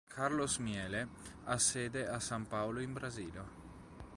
Carlos Miele ha sede a San Paolo in Brasile.